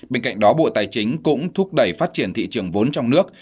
bên cạnh đó bộ tài chính cũng thúc đẩy phát triển thị trường vốn trong nước